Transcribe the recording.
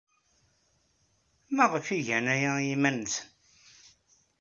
Maɣef ay gan aya i yiman-nsen?